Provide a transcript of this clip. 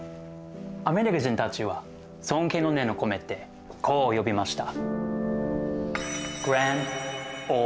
アメリカ人たちは尊敬の念を込めてこう呼びました。